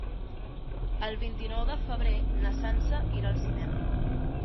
El vint-i-nou de febrer na Sança irà al cinema.